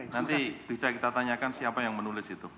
nanti bisa kita tanyakan siapa yang menulis itu